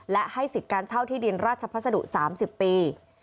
และให้สิทธิ์การเช่าที่ดินราชภัสดุ๓๐ปี